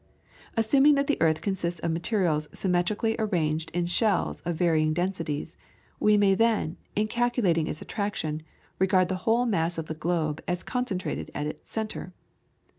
Assuming that the earth consists of materials symmetrically arranged in shells of varying densities, we may then, in calculating its attraction, regard the whole mass of the globe as concentrated at its centre.